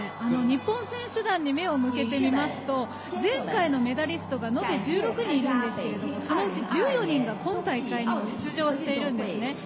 日本選手団に目を向けると前回のメダリストが延べ１６人いるんですがそのうち１４人が今大会にも出場しているんですね。